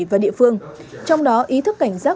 và địa phương trong đó ý thức cảnh giác